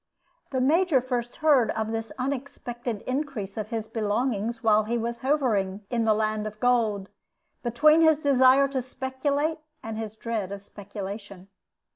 The Major first heard of this unexpected increase of his belongings while he was hovering, in the land of gold, between his desire to speculate and his dread of speculation.